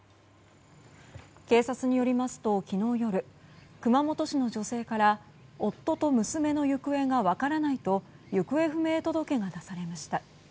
警察によりますと昨日夜、熊本市の女性から夫と娘の行方が分からないと行方不明届が出されました。